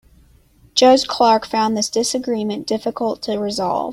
Judge Clark found this disagreement difficult to resolve.